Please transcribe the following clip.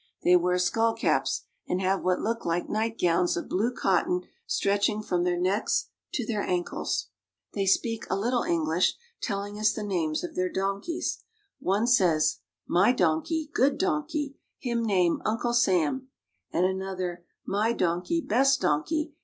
They wear skull caps and have what look like night gowns of blue cotton stretching from their necks to their ankles. They speak a ALEXANDRIA AND CAIRO 97 ■ little English, telling us the names of their donkeys. One says: "My donkey good donkey. Him name Uncle Sam," and another: "My donkey best donkey.